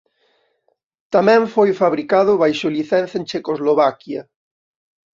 Tamén foi fabricado baixo licenza en Checoslovaquia.